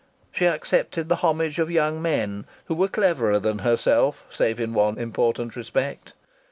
She accepted the homage of young men, who were cleverer than herself save in one important respect.